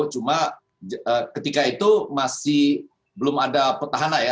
cuma ketika itu masih belum ada petahana ya